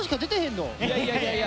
いやいやいや。